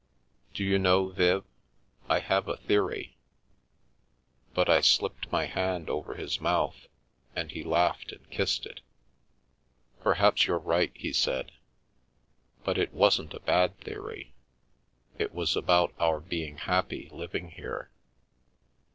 Do you know, Viv, I have a theory " But I slipped my hand over his mouth, and he laughed and kissed it. " Perhaps you're right," he said, " but it wasn't a bad theory; it was about our being happy, living here.